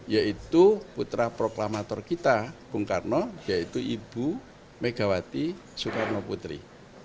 yaitu putra proklamator kita bung karno yaitu ibu megawati soekarno putri